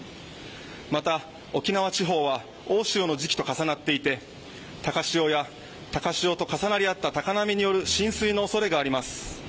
また沖縄地方は大潮の時期と重なっていて高潮と重なり合った高波による浸水の恐れがあります。